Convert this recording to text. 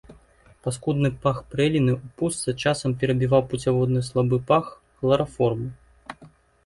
Паскудны пах прэліны ў пустцы часам перабіваў пуцяводны слабы пах хлараформу.